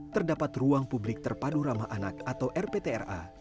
terdapat ruang publik terpadu ramah anak atau rptra